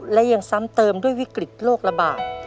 และยังซ้ำเติมด้วยวิกฤตโรคระบาด